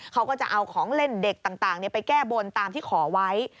เขาก็จะเอาของเล่นเด็กต่างไปแก้บนตามที่ขอไว้